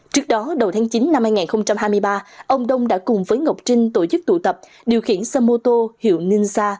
trước đó đầu tháng chín năm hai nghìn hai mươi ba ông đông đã cùng với ngọc trinh tổ chức tụ tập điều khiển xe mô tô hiệu ninza